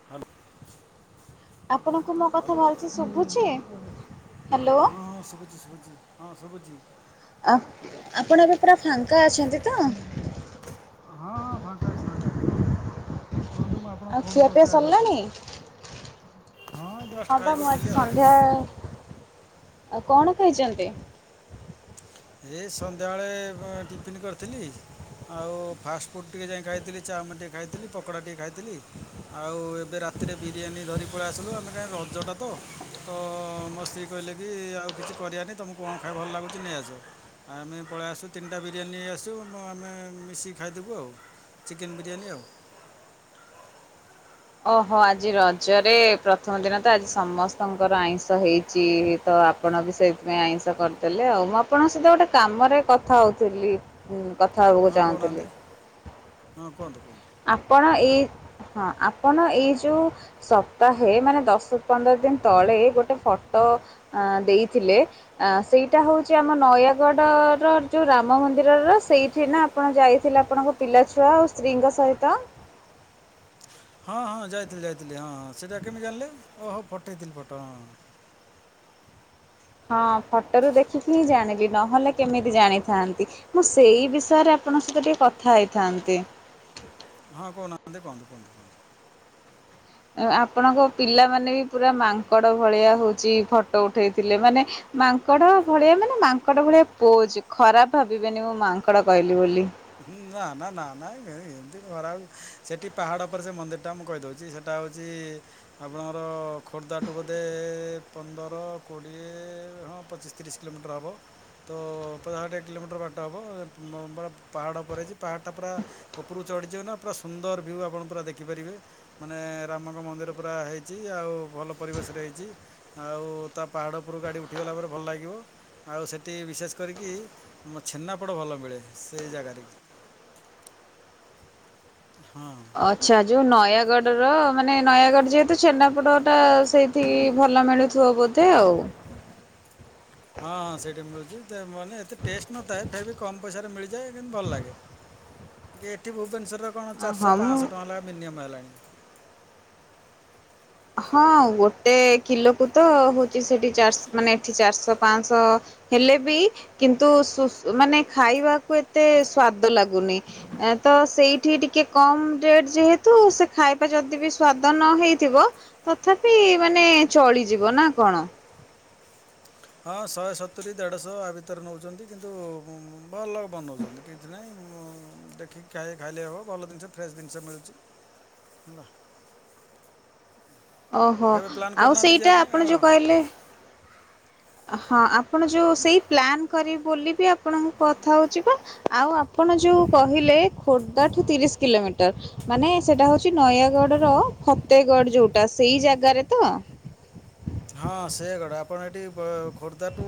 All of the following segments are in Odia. [unintelligible] ଆପଣଙ୍କୁ ମୋ କଥା ହ୍ୟାଲୋ। ଭଲସେ ଶୁଭୁଛି? ହାଲୋ। ହଁ ହଁ ଶବୁଚି ଶୁବୁଚି। ହଁ ଶୁବୁଚି। ଆ ଆପଣ ଏବେ ପୁରା ଫାଙ୍କା ଅଛନ୍ତି ତ? ହଁ ହଁ ଫାଙ୍କା ଅଛି, ଫାଙ୍କା ଅଛି, କୁହନ୍ତୁ ମୁଁ ଆପ ଆଉ ଖିଆପିଆ ସରିଲାଣି? ଜଷ୍ଟ ହଁ ପା ଖାଇକି ମୁଁ ଉଠିଲି ଆଜି ଆଉ। ସନ୍ଧ୍ୟା ଆ ଏ ସନ୍ଧ୍ୟାବେଳେ ଟିଫିନ୍ କରିଥିଲି ଆଉ ଫାଷ୍ଟଫୁଡ଼୍ ଟିକେ ଯାଇ ଖାଇଥିଲି, ଚାଉମିନ ଟିକେ ଖାଇଥିଲି, ପକୋଡ଼ା ଟିକେ ଖାଇଥିଲି। ଆଉ ଏବେ ରାତିରେ ବିରିୟାନୀ ଧରି ପଳେଇ ଆସିଲୁ, ଆମେ କାହିଁ ରଜଟା ତ? ତ ମୋ ସ୍ତ୍ରୀ କହିଲେ କି, ଆଉ କିଛି କରିବାନି, ତମକୁ କଣ ଖାଇବା ଭଲ ଲାଗୁଚି, ନେଇଆସ। ଆଉ ଆମେ ପଳେଇ ଆସୁ, ତିନିଟା ବିରିୟାନୀ ଆସିଚୁ, ଆମେ ମିଶିକି ଖାଇଦେବୁ ଆଉ। ଚିକେନ୍ ବିରିୟାନୀ ଆଉ। ଓହୋ, ଆଜି ରଜରେ, ପ୍ରଥମ ଦିନ ତ, ଆଜି ସମସ୍ତଙ୍କର ଆଇଁଷ ହେଇଚି। ତ ଆପଣ ବି ସେଇଥିପାଇଁ ଆଇଁଷ କରିଦେଲେ ଆଉ, ମୁଁ ଆପଣଙ୍କ ସହିତ ଗୋଟେ କାମରେ କଥା ହଉଥିଲି। ହୁଁ, କଥା ହେବାକୁ ହଁ କହୁନାହାନ୍ତି ଚାହୁଁଥିଲି। ହଁ କୁହନ୍ତୁ କୁହନ୍ତୁ? ଆପଣ ଏଇ, ହଁ ଆପଣ ଏଇ ଯୋଉ ସପ୍ତାହେ, ମାନେ ଦଶ ପନ୍ଦର ଦିନ ତଳେ ଗୋଟେ ଫଟୋ ଦେଇଥିଲେ ଆ ସେଇଟା ହଉଚି ଆମ ନୟାଗଡ଼ର ଯେଉ ରାମ ମନ୍ଦିରର, ସେଇଠି ନା ଆପଣ ଯାଇଥିଲେ, ଆପଣଙ୍କ ପିଲାଛୁଆ ଆଉ ସ୍ତ୍ରୀଙ୍କ ସହିତ? ହଁ ହଁ ଯାଇଥିଲି ଯାଇଥିଲି, ହଁ ହଁ। ସେଇଟା କେମିତି ଜାଣିଲେ? ଓହୋ ଫଟେଇଥିଲି ଫଟୋ ହଁ। ହଁ, ଫଟୋରୁୁ ଦେଖିକି ହିଁ ଜାଣିଲି। ନହେଲେ କେମିତି ଜାଣିଥାନ୍ତି? ମୁଁ ସେଇ ବିଷୟରେ ଆପଣଙ୍କ ସହିତ ଟିକେ କଥା ହେଇଥାନ୍ତି? ହଁ, କହୁ ନାହାନ୍ତି, କୁହନ୍ତୁ କୁହନ୍ତୁ? ଆପଣଙ୍କ ପିଲାମାନେ ବି ପୁରା ମାଙ୍କଡ ଭଳିଆ ହଉଚି ଫଟୋ ଉଠେଇଥିଲେ, ମାନେ ମାଙ୍କଡ଼ ଭଳିଆ ମାନେ, ମାଙ୍କଡ଼ ଭଳିଆ ପୋଜ୍, ଖରାପ ଭାବିବେନି ମୁଁ ମାଙ୍କଡ଼ କହିଲି ବୋଲି। ହୁଁ, ନା ନା, ନା ନା, ଏମିତି ଖରାଉ, ସେଠି ପାହାଡ ଉପରେ ସେ ମନ୍ଦିର ଟା ମୁଁ କହିଦଉଚି, ସେଠ ସେଟା ହଉଚି ଆପଣଙ୍କର ଖୋର୍ଦ୍ଧାଠୁ ବୋଧେ ପନ୍ଦର, କୋଡ଼ିଏ ହଁ ପଚିଶ ତିରିଶ କିଲୋମିଟର ହବ। ତ ପଚାଶ ଷାଠିଏ କିଲୋମିଟର ବାଟ ହେବ, ପ ପାହାଡ଼ ଉପରେ ହେଇଚି, ପାହାଡ଼ଟା ପୁରା ଉପରକୁ ଚ଼ିଢ଼ିଯିବେ ନା? ପୁରା ସୁନ୍ଦର ଭ୍ୟୁ ଆପଣ ପୁରା ଦେଖିପାରିବେ। ମାନେ ରାମଙ୍କ ମନ୍ଦିର ପୁରା ହେଇଛି। ଆଉ ଭଲ ପରିବେଶରେ ହେଇଛି। ଆଉ ତା ପାହାଡ଼ ଉପରକୁ ଗାଡ଼ି ଉଠିଗଲା ପରେ ଭଲ ଲାଗିବ। ଆଉ ସେଠି ବିଶେଷ କରିକି ମ ଛେନାପୋଡ଼ ଭଲ ମିଳେ ସେଇ ଜାଗାରେ। ହଁ ଆଚ୍ଛା ଯେଉଁ ନୟାଗଡ଼ର ମାନେ ନୟାଗଡ଼ ଯେହେତୁ ଛେନାପୋଡ଼ଟା ସେଇ ଠି ଭଲ ମିଳୁଥିବ ବୋଧେ ଆଉ। ହଁ ହଁ ସେଇଠି ମିଳୁଛି। ତେ ମାନେ ଏତେ ଟେଷ୍ଟ ନଥାଏ। ଫେର ବି କମ୍ ପଇସାରେ ମିଳିଯାଏ କିନ୍ତୁ ଭଲ ଲାଗେ। ଏଠି ଭୁବନେଶ୍ୱରରେ କଣ ଚାରିଶ, ହଁ ମୁଁ ପାଞ୍ଚଶହ ଟଙ୍କା ଲେଖା ମିନିମମ୍ ହେଲାଣି। ହଁ ଗୋଟେ କିଲୋକୁ ତ ହଉଛି ସେଠି ଚାରିଶ ମାନେ ଏଠି ଚାରିଶହ, ପାଞ୍ଚଶହ। ହେଲେ ବି କିନ୍ତୁ ଶୁ ମାନେ ଖାଇବାକୁ ଏତେ ସ୍ଵାଦ ଲାଗୁନି। ତ ସେଇଠି ଟିକେ କମ ରେଟ ଯେହେତୁ ସେ ଖାଇବା ଯଦି ବି ସ୍ଵାଦ ନ ହେଇଥିବ- ତଥାପି ମାନେ ଚଳିଯିବ। ନା କଣ? ହଁ ଶହେ ସତୁରି, ଦେଢ଼ଶହ ଆ ଭିତରେ ନେଉଛନ୍ତି। କିନ୍ତୁ ଉଁ ଭଲ ବନଉଛନ୍ତି। କିଛି ନାହିଁ ଦେଖି ଖା ଖାଇଲେ ହବ। ଭଲ ଜିନିଷ ଫ୍ରେଶ୍ ଜିନିଷ ମିଳୁଛି। ହେଲା। ଓହୋ। କେବେ ପ୍ଲାନ୍ ଆଉ କରୁନାହାନ୍ତି ଯିବା ସେଇଟା ପାଇଁ ଆପଣ ଯୋଉ ହଁ କହିଲେ ହଁ ଆପଣ ଯୋଉ ସେଇ ପ୍ଲାନ୍ କରିବି ବୋଲିବି ଆପଣଙ୍କୁ କଥା ହେଉଛି ବା। ଆଉ ଆପଣ ଯୋଉ କହିଲେ, ଖୋର୍ଦ୍ଧାଠୁ ତିରିଶ କିଲୋମିଟର। ମାନେ ସେଟା ହଉଛି ନୟାଗଡ ର ଫତେଗଡ ଯୋଉଟା ସେଇ ଜାଗାରେ ତ। ହଁ ସେଗଡ଼ା ଆପଣ ଏଠି ଖୋର୍ଦ୍ଧାଠୁ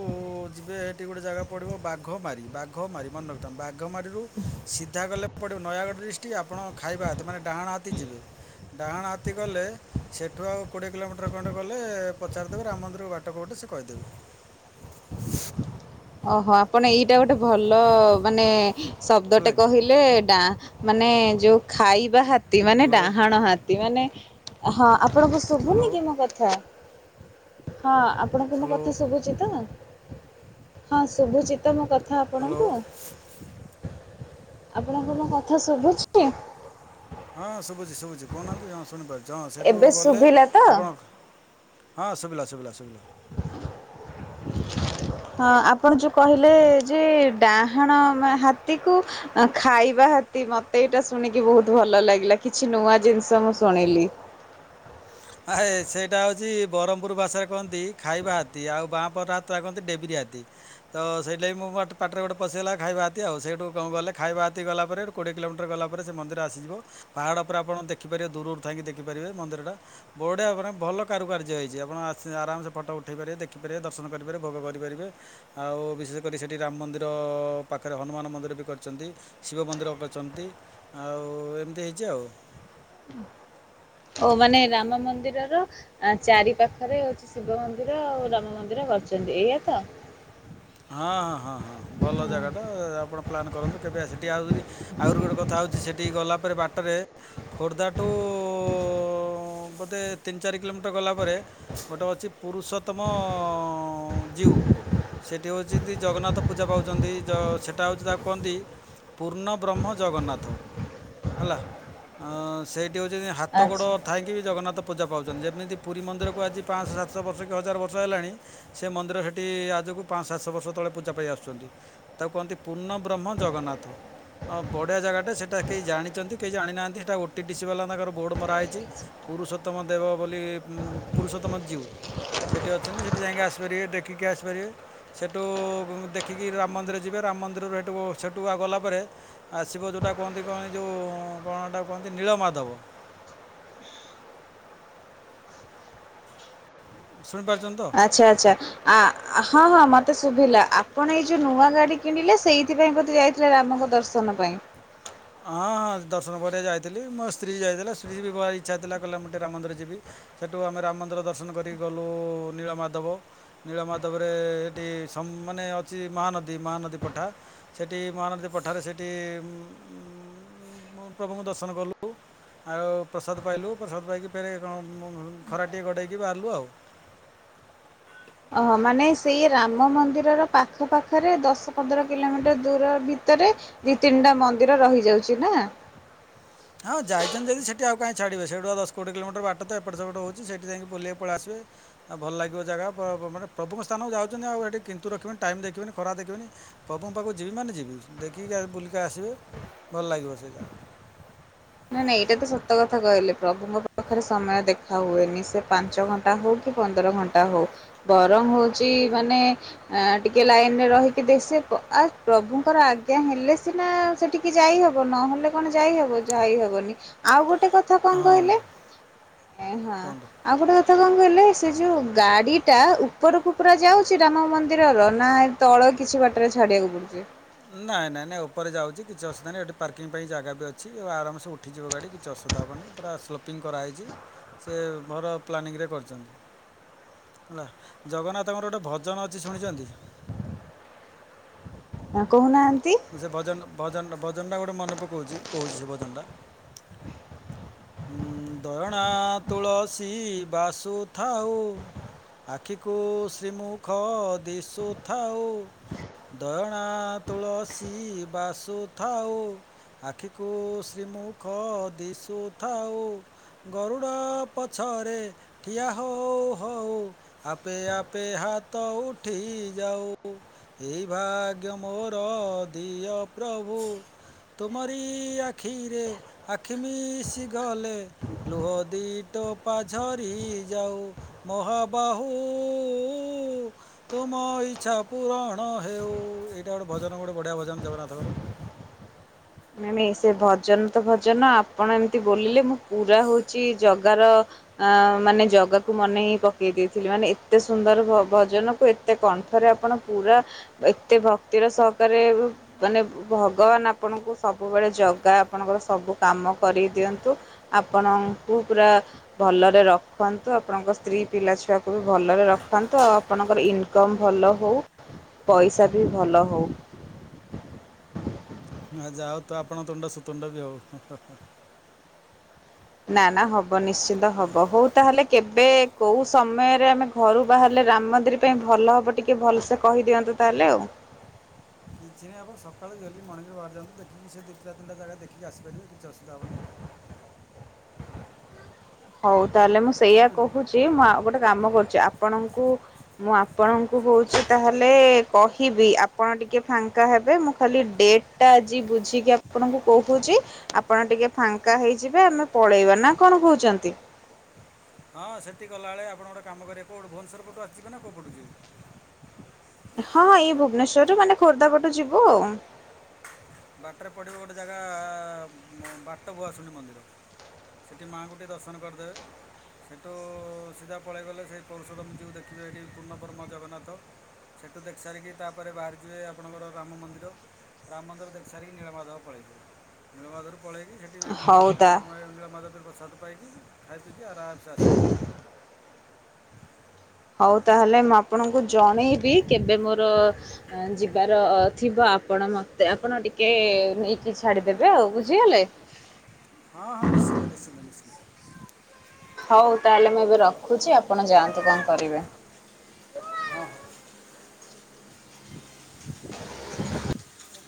ଯିବେ ଏଠି ଗୋଟେ ଜାଗା ପଡିବ ବାଘମାରି। ବାଘମାରି ମନେ ରଖିଥାଅ। ବାଘମାରି ରୁ ସିଧା ଗଲେ ପଡ଼ିବ ନୟାଗଡ଼ ଡିଷ୍ଟିକ୍। ଆପଣ ଖାଇବା ହାତି, ମାନେ ଡାହାଣ ହାତୀ ଯିବେ। ଡାହାଣ ହାତୀ ଗଲେ, ସେଠୁ ଆଉ କୋଡ଼ିଏ କିଲୋମିଟର ଖଣ୍ଡେ ଗଲେ ପଚାରିଦେବେ ରାମ ମନ୍ଦିର ବାଟ କୋଉଟା? ସେ କହିଦେବେ। ଓହୋ ଆପଣ ଏଇଟା ଗୋଟେ ଭଲ ମାନେ ହେଲା ଶବ୍ଦଟେ କି କହିଲେ ଡା ମାନେ ଯୋଉ ଖାଇବା ହାତୀ ମାନେ ହ୍ୟାଲୋ ଡାହାଣ ହାତୀ ମାନେ ହଁ ଆପଣଙ୍କୁ ହ୍ୟାଲୋ ଶୁଭୁନି କି ମୋ କଥା? ହଁ ଆପଣଙ୍କୁ ମୋ ହ୍ୟାଲୋ କଥା ଶୁଭୁଛି ତ? ହଁ ଶୁଭୁଚି। ତ ମୋ କଥା ହ୍ୟାଲୋ ଆପଣଙ୍କୁ। ଆପଣଙ୍କୁ ମୋ କଥା ଶୁଭୁଛି? ହଁ ଶୁଭୁଛି, ଶୁଭୁଛି। କହୁନାହାନ୍ତି ହଁ ଶୁଣିପାରୁଛି ହଁ ସେଇଠୁ ଏବେ ଗଲେ ଶୁଭିଲା ତ? ଆପଣ ହଁ ସୁବିଲା, ସୁବିଲା, ସୁବିଲା। [unintelligible] ହଁ, ଆପଣ ଯୋଉ କହିଲେ ଯେ ଡାହାଣ ହାତୀକୁ ଖାଇବା ହତି ମତେ ଏଇଟା ଶୁଣିକି ବହୁତ ଭଲ ଲାଗିଲା। କିଛି ନୂଆ ଜିନିଷ ମୁଁ ଶୁଣିଲି। ଆହେ ସେଇଟା ହେଉଛି ବ୍ରହ୍ମପୁର ଭାସାରେ କହନ୍ତି ଖାଇବା ହାତୀ। ଆଉ ବାଁ ପଟ ହାତକୁ କହନ୍ତି ଡେବିରି ହାତୀ। ତ ସେଇଟା ମୋ ପାଟିରେ ଗୋଟେ ପଶିଗଲା ଖାଇବା ହାତି ଆଉ। ସେଇଠୁ କଣ କଲେ ଖାଇବା ହାତି ଗଲା ପରେ କୋଡ଼ିଏ କିଲୋମିଟର ଗଲା ପରେ ସେ ମନ୍ଦି ଆସିଯିବ। ପାହାଡ଼ ଉପରେ ଦେଖିପାରିବେ ଦୂରରୁ ଥାଇକି ଦେଖିପାରିବେ ମନ୍ଦିରଟା। ବଢିଆ ପୁରା ଭଲ କାରୁକାର୍ଯ୍ୟ ହୋଇଛି। ଆପଣ ଆସି ଆରାମସେ ଫଟୋ ଉଠାଇ ପାରିବ, ଦେଖିପାରିବେ, ଦର୍ଶନ କରିପାରିବେ, ଭୋଗ କରିପାରିବେ। ଆଉ ବିଶେଷ କରି ସେଠି ରାମ ମନ୍ଦିର ପାଖରେ ହନୁମାନ ମନ୍ଦିର ବି କରିଛନ୍ତି। ଶିବ ମନ୍ଦିର କରିଛନ୍ତି। ଆଉ ଏମିତି ହେଇଛି ଆଉ। ଓ ମାନେ ରାମ ମନ୍ଦିରର ଆ ଚାରି ପାଖରେ ହଉଛି ଶିବ ମନ୍ଦିର, ଆଉ ରାମ ମନ୍ଦିର କରିଛନ୍ତି। ଏଇଆ ତ? ହଁ, ହଁ, ହଁ, ହଁ। ଭଲ ଜାଗାଟା। ଆପଣ ପ୍ଲାନ୍ କରନ୍ତୁ କେବେ ସେଠି [inaudible] ଆହୁରି ଗୋଟେ କଥା ହଉଛି ସେଠିକି ଗଲା ପରେ ବାଟରେ ଖୋର୍ଦ୍ଧାଠୁ ବୋଧେ ତିନି ଚାରି କିଲୋମିଟର ଗଲାପରେ ଗୋଟେ ଅଛି ପୁରୁଷୋତ୍ତମ ଜୀଉ। ସେଇଠି ହେଉଛନ୍ତି ଜଗନ୍ନାଥ ପୂଜା ପାଉଛନ୍ତି ଜ ସେଇଟା ହେଉଛି ତାକୁ କୁହନ୍ତି ପୂର୍ଣ୍ଣବ୍ରହ୍ମ ଜଗନ୍ନାଥ ହେଲା। ଅଁ ସେଇଠି ହଉଛନ୍ତି ହାତ ଗୋଡ଼ ଆଚ୍ଛା। ଥାଇକି ବି ଜଗନାଥ ପୂଜା ପାଉଛନ୍ତି ଯେମିତି ପୁରୀ ମନ୍ଦିରକୁ ଆଜି ପାଞ୍ଚଶହ ସାତଶହ ବର୍ଷ କି ହଜାର ବର୍ଷ ହେଲାଣି ସେ ମନ୍ଦିର ହେଠି ଆଜକୁ ପାଞ୍ଚ ସାତଶହ ବର୍ଷ ତଳେ ପୂଜା ପାଇ ଆସୁଛନ୍ତି ତାକୁ କୁହନ୍ତି ପୂର୍ଣ୍ଣବ୍ରହ୍ମ ଜଗନ୍ନାଥ। ହଁ ବଢ଼ିଆ ଜାଗାଟା ସେଟା କେହି ଜାଣିଛନ୍ତି କେହି ଜାଣିନାହାନ୍ତି ହେଟା ଓଟି ଟି ସି ବାଲା ତାଙ୍କର ବୋର୍ଡ଼ ମରାହଇଛି। ପୁରୁଷୋତମ ଦେବ ବୋଲି ପୁରୁଷୋତ୍ତମ ଜୀଉ ସେଇଠି ଅଛନ୍ତି ସେଠି ଯାଇକି ଆସିପାରିବେ ଦେଖିକି ଆସିପାରିବେ। ସେଠୁ ଦେଖିକି ରାମ ମନ୍ଦିର ଯିବେ ରାମ ମନ୍ଦିରରୁ ସହେଠୁ ସେଠୁ ଗଲାପରେ ଆସିବ ଯଉଟା କୁହନ୍ତି କଣ ଯେଉଁ କଣହେଟା କୁହନ୍ତି ନୀଳମାଧବ। ଶୁଣିପାରୁଛନ୍ତି ତ? ଆଛା ଆଚ୍ଛା। ଆ ହଁ ହଁ ମତେ ଶୁଭିଲା ଆପଣ ଏଇ ଯୋଉ ନୂଆ ଗାଡି କିଣିଲେ ସେଇଥିପାଇଁ ବୋଧେ ଯାଇ ସେ ରାମଙ୍କୁ ଦର୍ଶନ ପାଇଁ। ହଁ ହଁ ଦର୍ଶନ କରିଆକୁ ଯାଇଥିଲି ମୋ ସ୍ତ୍ରୀ ଯାଇଥିଲା ସ୍ତ୍ରୀ ଜିବାର ଇଚ୍ଛାଥିଲା କହିଲା ମୁଁ ଟିକେ ରାମ ମନ୍ଦିର ଯିବି। ସେଠୁ ଆମେ ରାମ ମନ୍ଦିର ଦର୍ଶନ କରିକି ଗଲୁ ନୀଳମାଧବ। ନୀଳମାଧବରେ ହେଠି ସମ ମାନେ ଅଛି ମହାନଦୀ ମହାନଦୀ ପଠା ସେଠି ମହାନଦୀ ପଠାରେ ସେଠି ପ୍ରଭୁଙ୍କୁ ଦର୍ଶନ କଲୁ। ଆଉ ପ୍ରସାଦ ପାଇଲୁ ପ୍ରସାଦ ପାଇକି ଫେରେ କଣ ଖରା ଟିକଏ ଗଡ଼େଇକି ବାହାରିଲୁ ଆଉ। ଅ ହ ମାନେ ସେଇ ରାମ ମନ୍ଦିରର ପାଖ ପାାଖରେ ଦଶ ପନ୍ଦର କିଲୋମିଟର ଦୂର ଭିତରେ ଦି ତିନିଟା ମନ୍ଦିର ରହିଯାଉଛି ନା? ହଁ ଯାଇଛନ୍ତି ଜଦି ସେଠି ଆଉ କାହିଁ ଛାଡିବେ ସେଠୁ ଆଉ ଦଶକୋଡିଏ କିଲୋମିଟର ବାଟ ତ ଏପଟ ସେପଟ ହଉଛି ସେଠି ଯାଇକି ବୁଲିକି ପଳେଇ ଆସିବେ। ଆଉ ଭଲ ଲାଗିବ ଜାଗା ମାନେ ପ୍ରଭୁମ ସ୍ଥାନକୁ ଯାଉଛନ୍ତି ଆଉ ହେଠି କିନ୍ତୁ ରଖିବିନି ଟାଇମ୍ ଦେଖିବିନି ଖରା ଦେଖିବେନି ପ୍ରପୁଙ୍କ ପାଖକୁ ଯିବି ମାନେ ଯିବି ଦେଖିକି ବୁଲିକି ଆସିବେ ଭଲ ଲାଗିବ ସେଇଟା। ନାଇଁ ନାଇଁ ଏଇଟା ତ ସତ କଥା କହିଲେ ପ୍ରଭୁଙ୍କ ପାଖରେ ସମୟ ଦେଖା ହୁଏନି ସେ ପାଞ୍ଚ ଘଣ୍ଟା ଘଣ୍ଟା ହଉ କି ପନ୍ଦର ଘଣ୍ଟା ହଉ ଗରମ୍ ହଉଛି ମାନେ ଆ ଟିକେ ଲାଇନ ରେ ରହିକି ଦେସେ ଆ ପ୍ରଭୁଙ୍କର ଆଜ୍ଞା ହେଲେ ସିନା ସେଠିକ କି ଯାଇ ହବ ନହେଲେ କଣ ଯାଇହବ ଯାଇ ହବନି ଆଉ ଗୋଟେ କଥା କଥା କଣ ହଁ କହିଲେ ହଁ? କୁହନ୍ତୁ ଆଉ ଗୋଟେ କଥା କଣ କହିଲେ ସେ ଯଉ ଗାଡ଼ିଟା ଉପରକୁ ପୁରା ଯାଉଛି ରାମ ମନ୍ଦିରର ନାଇ୍ ତଳ କିଛି ବାଟରେ ଛାଡ଼ିବାକୁ ପଡ଼ୁଛି। ନାଇଁ ନାଇଁ ନାଇଁ ଉପରେ ଯାଉଛି କିଛି ଅସୁବଧାହିଁ ଏଠି ପାର୍କିଂ ପାଇଁ ଜାଗ ବିଛି ଆରାମସ ଉଠ ଉଠିଯିବ ଗାଡ଼ି କିଛି ଅସୁବିଧା ହେବନି ପୁରା ସ୍ଲୋପିଙ୍ଗ କରାହେଇଛି। ସେ ଘର ପ୍ଲାନିଂରେ କରିଛନ୍ତି। ହେଲା ଜଗନ୍ନାଥଙ୍କର ଗୋଟେ ଭଜନ ଅଛି ଶୁଣିଛନ୍ତି? କହୁନାହାନ୍ତି? ସେ ଭଜନ ଭଜନ ଭଜନଟା ଗୋଟେ ମନେ ପକଉଛି କହୁଛି ସେ ଭଜନଟା। [inaudible] ଦୟଣା ତୁଳସୀ ବାସୁ ଥାଉ। ଆଖିକୁ ଶ୍ରୀମୁଖ ଦିଶୁଥାଉ। ଦୟଣା ତୁଳସୀ ବାସୁ ଥାଉ। ଆଖିକୁ ଶ୍ରୀମୁଖ ଦିଶୁଥାଉ। ଗରୁଡ଼ ପଛରେ ଠିଆ ହଉ ହଉ। ଆପେଆପେ ହାତ ଉଠି ଯାଉ। ଏଇ ଭାଗ୍ୟ ମୋର ଦିଅ ପ୍ରଭୁ। ତୁମରି ଆଖିରେ ଆଖି ମିଶିଗଲେ ଲୁହ ଦି ଟୋପା ଝରି ଯାଉ। ମହାବାହୁ-ଉ-ଉ। ତୁମ ଇଚ୍ଛା ପୁରଣ ହେଉ। ଏଇଟା ଗୋଟେ ଭଜନ ଗୋଟେ ବଢିଆ ଭଜନ ଜଗନ୍ନାଥଙ୍କର। ନାଇ ନାଇ ସେ ଭଜନ ତ ଭଜନ ଆପଣ ଏମିତି ବୋଲିଲେ ମୁଁ ପୁରା ହଉଚି ଜଗାର ଆଁ ମାନେ ଜଗାକୁ ମନେ ହିଁ ପକେଇ ଦେଇଥିଲି ମାନେ ଏତେ ସୁନ୍ଦର ଭ-ଭଜନକୁ ଏ ଏତେ କଣ୍ଠରେ ଆପଣ ପୁରା ଏତେ ଭକ୍ତିର ସହକାରେ ମାନେ ଭଗବାନ ଆପଣଙ୍କୁ ସବୁବେଳେ ଜଗା ଆପଣଙ୍କର ସବୁ କାମ କରି ଦିଅନ୍ତୁ ଆପଣଙ୍କୁ ପୁରା ଭଲରେ ରଖନ୍ତୁ ଆପଣଙ୍କ ସ୍ତ୍ରୀ ପିଲା ଛୁଆ ଙ୍କୁ ବି ଭଲରେ ରଖନ୍ତୁ ଆଉ ଆପଣଙ୍କର ଇନ କମ୍ ଭଲହଉ ପଇସା ବି ଭଲହଉ। ଆ ଯାହଉ ତ ଆପଣଙ୍କ ତୁଣ୍ଡ ସୁତୁଣ୍ଡ ବି ହଉ। ହେଁ ହେଁ ହେଁ। ନା ନା ହବ ନିଶ୍ଚିନ୍ତ ହବ ହଉ ତାହେଲେ କେବେ କୋଉ ସମୟରେ ଆମେ ଘରୁ ବାହାରିଲେ ରାମ୍ ମନ୍ଦିର୍ ପାଇଁ ଭଲ ହେବ ଟିକିଏ ଭଲସେ କହିଦିଅନ୍ତୁ ତାହେଲେ ଆଉ। କିଛି ନାହିଁ ଆପଣ ସକାଳୁ ଜଲଦି ମଣିଙ୍ଗ୍ ରେ ବାହାରିଯାଆନ୍ତୁ ଦେଖି କି ସେ ଦିଟା ତିନଟା ଯାଗା ଦେଖିକ ଆସିପାରିବେ କିଛି ଅସୁବିଧା ହେବନି। ହଉ ତାହେଲେ ମୁଁ ସେଇଆ ବୁଝିଲେ କହୁଚ ଚି ମୁଁ ଆ-ଗୋଟେ କାମ କରୁଚି ଆପଣଙ୍କୁ ମୁଁ ଆପଣଙ୍କୁ ହଉଚି ତାହଲେ କହିବି ଆପଣ ଟିକେ ଫାଙ୍କା ହେବେ ମୁଁ ଖାଲି ଡେଟ୍ ଟା ଆଜି ବୁଝିକି ଆପଣଙ୍କୁ କହୁଚି ଆପଣ ଟିକେ ଫାଙ୍କା ହେଇଯିବେ ଆମେ ପଳେଇବା ନା କଣ କହୁଚନ୍ତି? ହଁ ସେନ୍ତି ଗଲାବେଳେ ଆପଣ ଗୋଟେ କାମ କରିବେ କୋଉପଟୁ ଭୁବନେଶ୍ୱର ପଟୁ ଆସିଯିବେ ନା କୋଉପଟୁ ଯିବେ? ହଁଁ ହଁ ଏଇ ଭୁବନେଶ୍ୱରରୁୁ ମାନେ ଖୋର୍ଦ୍ଧା ପଟୁ ଯିବୁ ଆଉ। ବାଟେରେ ପଡିବ ଗୋଟେ ଜାଗା ବାଟ ଭୁଆଶୁଣୀ ମନ୍ଦିର। ସେଠି ମାଆଙ୍କୁ ଟିକିଏ ଦର୍ଶନ କରିଦେବେ। ସେଠୁ ସିଧା ପଳେଇଗଲେ ସେଇ ପର୍ଶୁରାମ ଯୋଉ ଦେଖିବି ହେଠି ପୂର୍ଣ୍ଣବ୍ରହ୍ମ ଜଗନ୍ନାଥ। ସେଠୁ ଦେଖିସାରିକି ତାପରେ ବାହାରିଯିବେ ଆପଣଙ୍କର ରାମ ମନ୍ଦିର ରାମ୍ ମନ୍ଦିର ଦେଖି ସାରିକି ନୀଳମାଧବ ପଳାଇବେ, ନୀଳମାଧବରୁ ପଳେଇକି ସେଠି ହଉ ମାଙ୍କ ତା ପ-ଏ ନୀଳମାଧବଠେ ପ୍ରସାଦ ପାଇକି ଖାଇ ପିଇକି ଆରାମ୍ ସେ ଆସିପାରିବେ। ହଉ ତାହେଲେ ମୁଁ ଆପଣଙ୍କୁ ଜଣେଇବି କେବେ ମୋର ଆଁ ଯିବାର ଥିବ ଆପଣ ମତେ ଆପଣ ଟିକେ ନେଇକି ଛାଡିଦେବେ ଆଉ ବୁଝିଗଲେ। ହଁ ହଁ ନିଶ୍ଚିତ ନିଶ୍ଚିତ ନିଶ୍ଚିତ। ହଉ ତାହେଲେ ମୁଁ ଏବେ ରଖୁଚି ଆପଣ ଯାଆନ୍ତୁ କଣ କରିବେ। ହଁ ହଁ।